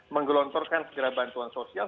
menggelontorkan segera bantuan sosial